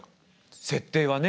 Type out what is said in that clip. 設定はね。